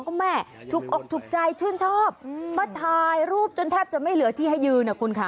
ก็แม่ถูกอกถูกใจชื่นชอบมาถ่ายรูปจนแทบจะไม่เหลือที่ให้ยืนนะคุณค่ะ